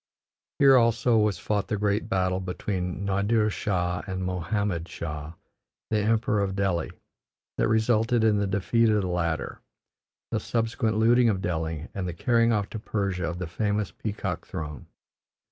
Here also was fought the great battle between Nadir Shah and Mohammed Shah, the Emperor of Delhi, that resulted in the defeat of the latter, the subsequent looting of Delhi, and the carrying off to Persia of the famous peacock throne.